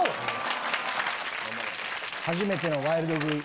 初めてのワイルド食い。